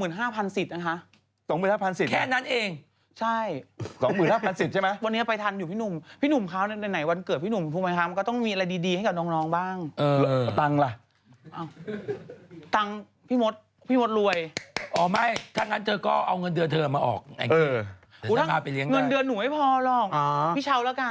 มันเดือนหนูไม่พอหรอกพี่เช้าแล้วกัน